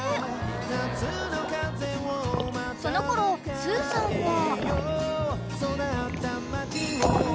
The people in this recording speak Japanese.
［そのころすーさんは］